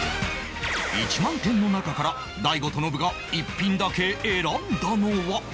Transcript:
１万点の中から大悟とノブが１品だけ選んだのは？